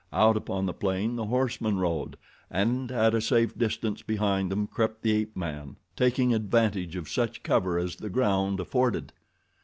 Out upon the plain the horsemen rode, and at a safe distance behind them crept the ape man, taking advantage of such cover as the ground afforded.